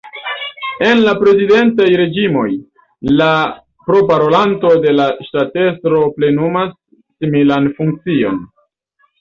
En la prezidentaj reĝimoj, la proparolanto de la ŝtatestro plenumas similan funkcion.